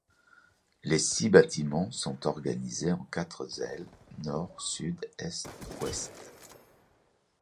Les six bâtiments sont organisés en quatre ailes, nord, sud, est, ouest.